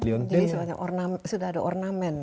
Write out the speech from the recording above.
jadi sebenarnya sudah ada ornamen